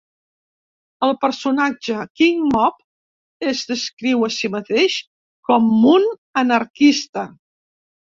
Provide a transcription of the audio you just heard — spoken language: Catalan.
El personatge "King Mob" es descriu a si mateix com un anarquista.